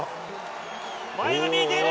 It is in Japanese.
前が見えている。